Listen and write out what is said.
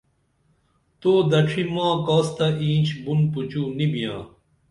تو دڇھی ماں کاس تہ اینچ بُن پُچُو نی بیاں